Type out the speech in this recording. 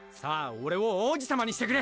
俺を王子様にしてくれ！